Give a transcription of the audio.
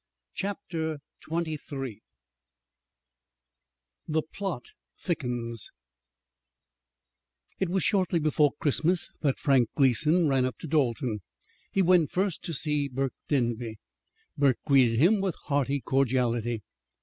CHAPTER XXIII "THE PLOT THICKENS" It was shortly before Christmas that Frank Gleason ran up to Dalton. He went first to see Burke Denby. Burke greeted him with hearty cordiality.